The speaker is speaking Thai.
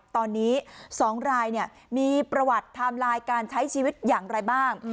ตอนนี้๒รายมีประวัติไทม์ไลน์การใช้ชีวิตอย่างไรบ้าง